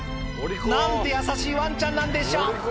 何て優しいワンちゃんなんでしょう